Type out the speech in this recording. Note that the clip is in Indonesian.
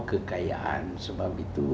kekayaan sebab itu